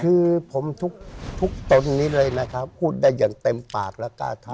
คือผมทุกตนนี้เลยนะครับพูดได้อย่างเต็มปากและกล้าท้อ